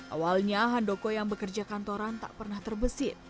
awalnya handoko yang bekerja kantoran tak pernah terbesit